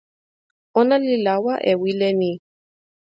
ona li lawa e wile ni.